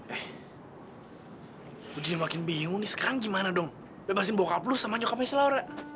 eh gue jadi makin bingung nih sekarang gimana dong bebasin bokap lu sama nyokapnya selawere